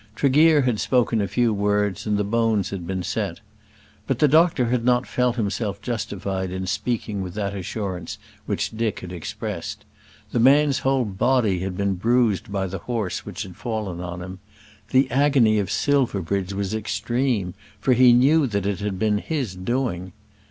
Tregear had spoken a few words, and the bones had been set. But the doctor had not felt himself justified in speaking with that assurance which Dick had expressed. The man's whole body had been bruised by the horse which had fallen on him. The agony of Silverbridge was extreme, for he knew that it had been his doing.